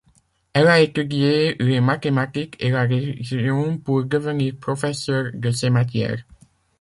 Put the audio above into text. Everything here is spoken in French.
Elle a étudié les mathématiques et la religion pour devenir professeur de ces matières.